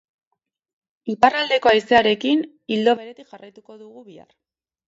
Iparraldeko haizearekin, ildo beretik jarraituko dugu bihar.